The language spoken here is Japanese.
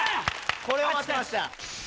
これを待ってました。